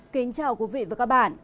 kính chào quý vị và các bạn